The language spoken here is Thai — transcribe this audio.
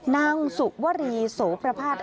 นางสุวรีโสประภาษณ์